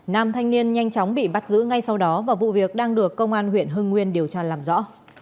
nam thanh niên nhanh chóng bị bắt giữ ngay sau đó và vụ việc đang được công an huyện hưng nguyên điều tra làm rõ